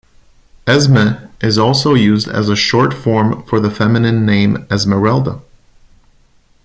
Esme is also used as a short form for the feminine name Esmeralda.